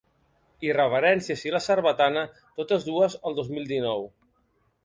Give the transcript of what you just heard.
Irreverències i La sarbatana, totes dues el dos mil dinou.